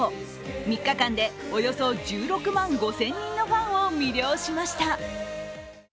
３日間でおよそ１６万５０００人のファンを魅了しました。